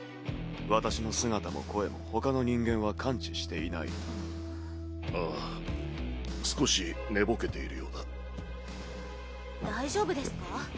私の姿も声もほかの人間は感知していないああ少し寝ぼけているようだ大丈夫ですか？